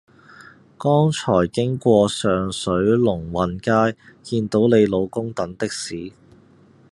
剛才經過上水龍運街見到你老公等的士